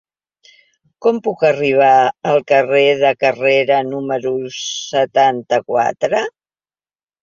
Com puc arribar al carrer de Carrera número setanta-quatre?